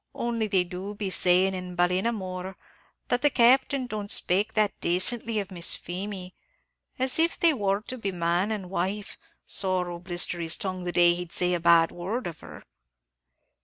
only they do be sayin' in Ballinamore, that the Captain doesn't spake that dacently of Miss Feemy, as if they wor to be man and wife: sorrow blister his tongue the day he'd say a bad word of her!"